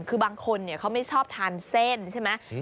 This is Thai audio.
คือบางคนเขาไม่ชอบทานเส้นใช่ไหม